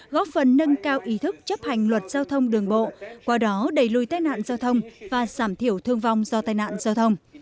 góp phần nâng cao ý thức chấp hành luật giao thông đường bộ qua đó đẩy lùi tai nạn giao thông và giảm thiểu thương vong do tai nạn giao thông